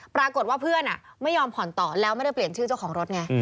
ปรากฏว่าเพื่อนไม่ยอมผ่อนต่อแล้วไม่ได้เปลี่ยนชื่อเจ้าของรถไง